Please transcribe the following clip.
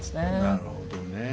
なるほどね。